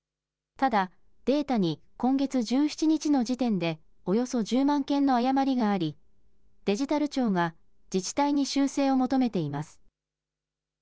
ただ、データに今月１７日の時点で、およそ１０万件の誤りがあり、デジタル庁が自治体に修正を求めています。